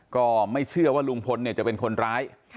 ก็ไม่เชื่อว่าลุงพลจะเป็นคนร้าย